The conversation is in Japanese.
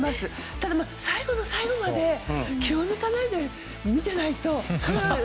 ただ、最後の最後まで気を抜かないで見てないと。